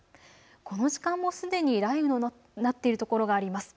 この時間もすでに雷雨となっている所があります。